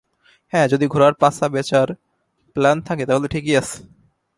হ্যাঁ, যদি ঘোড়ার পাছা বেচার প্ল্যান থাকে, তাহলে ঠিকই আছে।